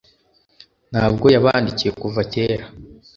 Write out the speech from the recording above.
ntabwo yabandikiye kuva kera